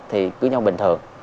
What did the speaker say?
thì cưới nhau bình thường